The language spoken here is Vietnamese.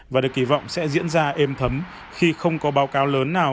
và được kỳ vọng sẽ diễn ra êm thấm khi không có báo cáo lớn nào